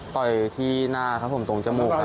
ต่อยที่หน้าครับผมตรงจมูก